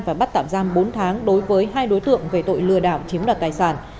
và bắt tạm giam bốn tháng đối với hai đối tượng về tội lừa đảo chiếm đoạt tài sản